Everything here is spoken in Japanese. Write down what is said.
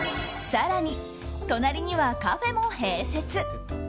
更に隣にはカフェも併設。